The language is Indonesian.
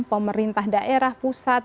pemerintah daerah pusat